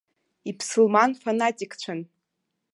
Иԥсылман фанатикцәан.